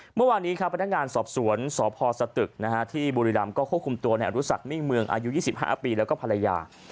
เมื่อวานนี้ครับพนักงานสอบสวนสพสตึกที่บุรีรำก็ควบคุมตัวในอรุสักมิ่งเมืองอายุ๒๕ปีแล้วก็ภรรยา